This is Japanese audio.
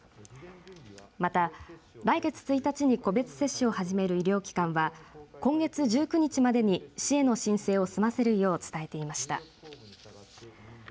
また、来月１日に個別接種を始める医療機関は今月１９日までに市への申請を済ませるよう伝えていました。